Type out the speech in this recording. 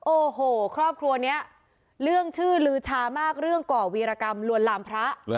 โอ้โหครอบครัวนี้เรื่องชื่อลือชามากเรื่องก่อวีรกรรมลวนลามพระ